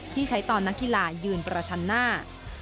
ที่ใช้ตอนนักกีฬายืนประชันหน้า